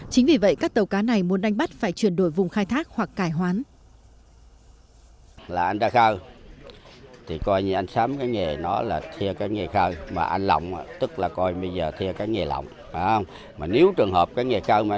chính vì vậy các tàu cá này muốn đánh bắt phải chuyển đổi vùng khai thác hoặc cải hoán